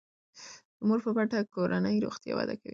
د مور په مټه کورنی روغتیا وده کوي.